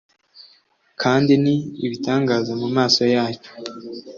Kandi ni ibitangaza mu maso yacu